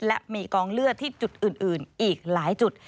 และมีกองเลือดที่จุดอื่นอีกหลายจุด